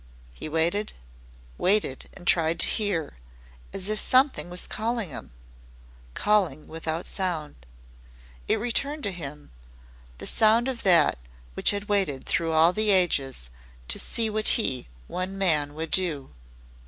He waited waited and tried to hear, as if something was calling him calling without sound. It returned to him the thought of That which had waited through all the ages to see what he one man would do.